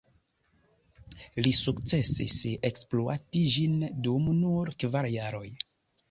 Li sukcesis ekspluati ĝin dum nur kvar jaroj.